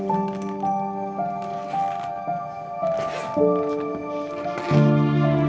aku mau denger